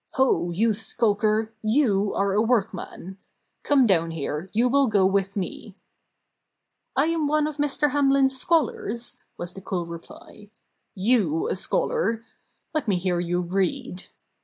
"Ho! you skulker, yon are a workman! Come down here, you will go with me!" "I am one of Mr. Hamhn's scholars!" was the cool reply. "Fow a scholar! Let me hear you read!"